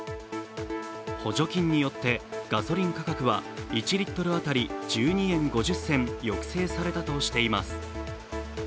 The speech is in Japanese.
補助金によってガソリン価格は１リットル当たり１２円５０銭抑制されたとしています。